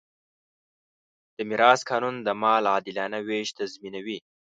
د میراث قانون د مال عادلانه وېش تضمینوي.